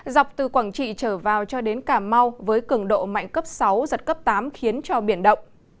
dọc từ quảng trị trở vào cho đến cà mau với cường độ mạnh cấp sáu giật cấp tám khiến cho biển động